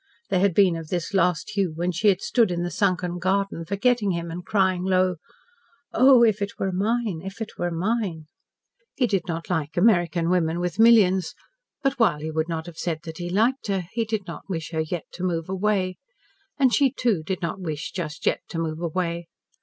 They had been of this last hue when she had stood in the sunken garden, forgetting him and crying low: "Oh, if it were mine! If it were mine!" He did not like American women with millions, but while he would not have said that he liked her, he did not wish her yet to move away. And she, too, did not wish, just yet, to move away.